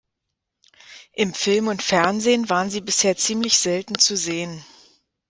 Im Film und Fernsehen war sie bisher ziemlich selten zu sehen.